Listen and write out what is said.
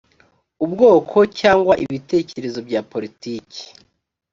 ubwoko cyangwa ibitekerezo bya politiki